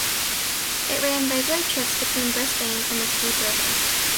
It ran regular trips between Brisbane and the Tweed River.